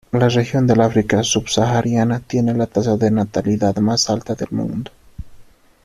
La región del África subsahariana tiene la tasa de natalidad más alta del mundo.